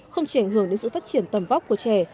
không chỉ ảnh hưởng đến sự phát triển tầm vóc của trẻ